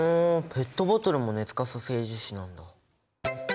ペットボトルも熱可塑性樹脂なんだ。